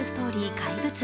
「怪物」。